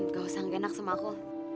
gak usah enak sama aku